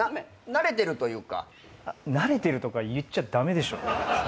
「慣れてる」とか言っちゃ駄目でしょ！？